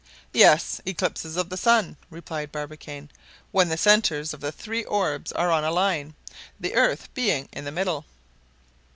"Yes, eclipses of the sun," replied Barbicane, "when the centers of the three orbs are on a line, the earth being in the middle.